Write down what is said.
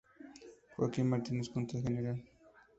Joaquín Martínez contra el Gral.